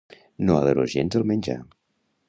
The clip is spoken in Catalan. No adoro gens el menjar.